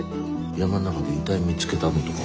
山ん中で遺体見つけたのとかも。